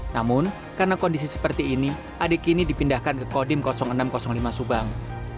namun karena kondisi seperti ini ade kini dipindahkan ke kodim enam ratus lima subang